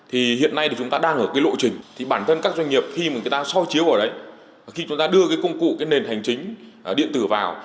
hiện nay chúng ta đang ở lộ trình bản thân các doanh nghiệp khi mà người ta soi chiếu vào đấy khi chúng ta đưa công cụ nền hành chính điện tử vào